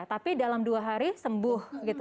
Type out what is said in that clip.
tapi dalam dua hari sembuh